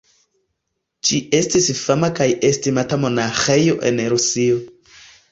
Ĝi estis fama kaj estimata monaĥejo en Rusio.